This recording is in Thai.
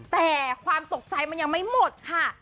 แต่ความตกใจมันยังไม่หมดค่ะ